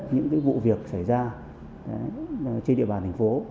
những vụ việc xảy ra trên địa bàn thành phố